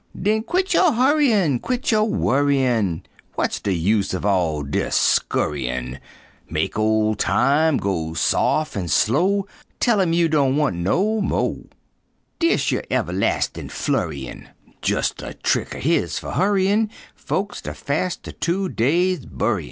Den quit yo' hurryin', Quit yo' worryin'! W'at de use uv all dis scurryin'? Mek ol' Time go sof' an' slow, Tell him you doan' want no mo' Dish yer uverlastin' flurryin', Jes' a trick er his fer hurryin' Folks de faster to'des dey burryin'!